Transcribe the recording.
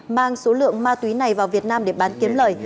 mang số lượng ma túy này vào việt nam để bán kiếm lời